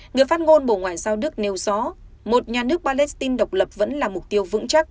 người phát ngôn bộ ngoại giao đức nêu rõ một nhà nước palestine độc lập vẫn là mục tiêu vững chắc